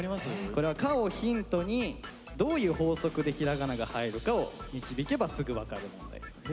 これは「か」をヒントにどういう法則で平仮名が入るかを導けばすぐ分かる問題です。え？